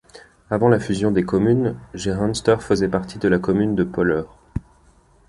Avant la fusion des communes, Jehanster faisait partie de la commune de Polleur.